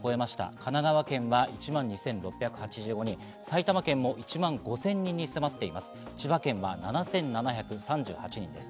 神奈川県は１万２６８５人、埼玉県も１万５０００人に迫っています。